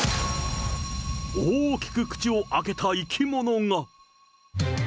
大きく口を開けた生き物が。